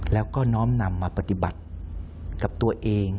แล้วก็น้อมนำมาปฏิบัติกับตัวเอง